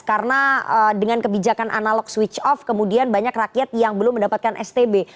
karena dengan kebijakan analog switch off kemudian banyak rakyat yang belum mendapatkan stb